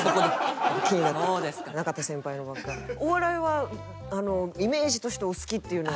お笑いはイメージとしてお好きっていうのは。